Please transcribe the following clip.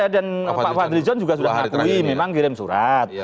ya dan pak fadlizon juga sudah mengakui memang kirim surat